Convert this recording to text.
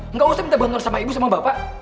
enggak usah minta bantuan sama ibu sama bapak